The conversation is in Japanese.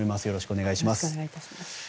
よろしくお願いします。